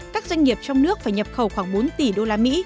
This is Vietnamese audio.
các doanh nghiệp trong nước phải nhập khẩu khoảng bốn tỷ usd